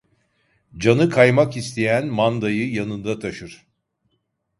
Canı kaymak isteyen, mandayı yanında taşır.